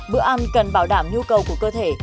bữa ăn cần bảo đảm nhu cầu của cơ thể